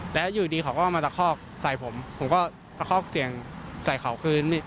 แล้วอยู่ดีเขาก็มาตะคอกใส่ผมผมก็ตะคอกเสียงใส่เขาคืน